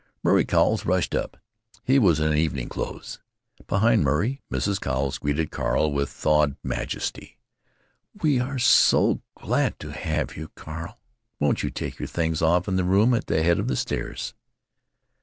Murray Cowles rushed up. He was in evening clothes! Behind Murray, Mrs. Cowles greeted Carl with thawed majesty: "We are so glad to have you, Carl. Won't you take your things off in the room at the head of the stairs?"